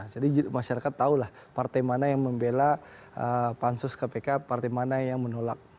jadi masyarakat tahulah partai mana yang membela pansus kpk partai mana yang menolak